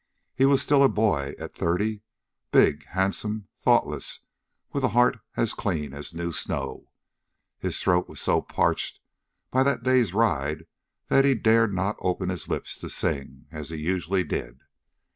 He was still a boy at thirty big, handsome, thoughtless, with a heart as clean as new snow. His throat was so parched by that day's ride that he dared not open his lips to sing, as he usually did.